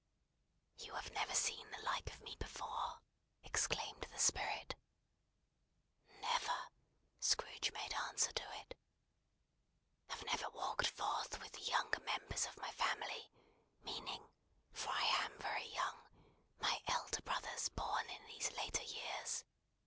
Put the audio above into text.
"You have never seen the like of me before!" exclaimed the Spirit. "Never," Scrooge made answer to it. "Have never walked forth with the younger members of my family; meaning (for I am very young) my elder brothers born in these later years?"